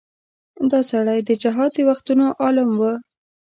دا سړی د جهاد د وختونو عالم و.